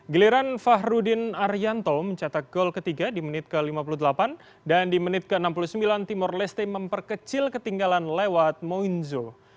giliran fahrudin arianto mencetak gol ketiga di menit ke lima puluh delapan dan di menit ke enam puluh sembilan timor leste memperkecil ketinggalan lewat moinzo